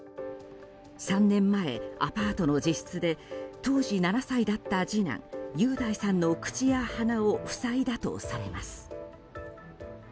３年前、アパートの自室で当時７歳だった次男・雄大さんの口や鼻を塞いだとされます。